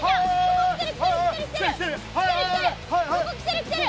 ここ来てる来てる。